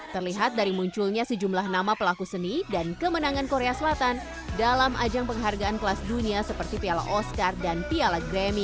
terlihat dari munculnya sejumlah nama pelaku seni dan kemenangan korea selatan dalam ajang penghargaan kelas dunia seperti piala oscar dan piala grammy